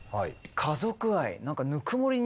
家族愛。